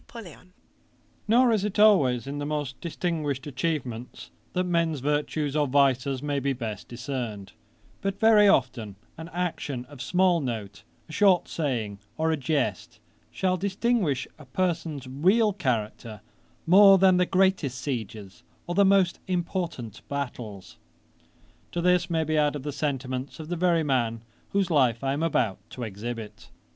] Nor is it always in the most distinguished atchievements that men's virtues or vices may be best discerned; but very often an action of small note, a short saying, or a jest, shall distinguish a person's real character more than the greatest sieges, or the most important battles.' To this may be added the sentiments of the very man whose life I am about to exhibit.